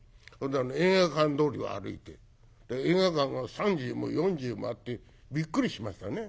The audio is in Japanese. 映画館通りを歩いて映画館が３０も４０もあってびっくりしましたね。